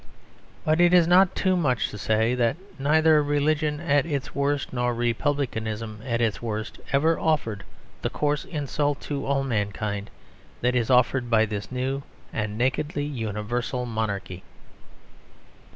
But it is not too much to say that neither religion at its worst nor republicanism at its worst ever offered the coarse insult to all mankind that is offered by this new and nakedly universal monarchy.